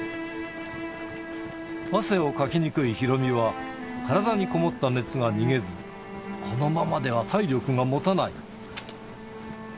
汗をかきにくいヒロミは、体にこもった熱が逃げず、このままでは体力が持たない。